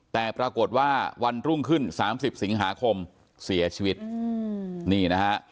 แต่ปรากฏว่าวันรุ่งขึ้น๓๐สิงหาคมเสียชีวิตนี่นะฮะ